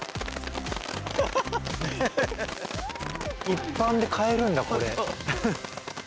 一般で買えるんだこれ。